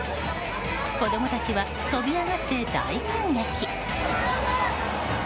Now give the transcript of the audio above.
子供たちは飛び上がって大感激。